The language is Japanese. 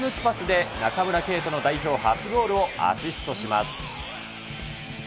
股抜きパスで中村敬斗の代表初ゴールをアシストします。